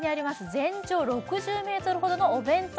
全長６０ｍほどのお弁当